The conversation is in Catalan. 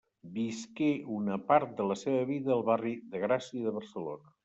Visqué una part de la seva vida al barri de Gràcia de Barcelona.